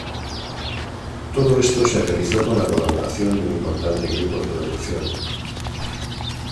Todo esto se realizó con la colaboración de un importante grupo de producción.